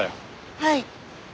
はい。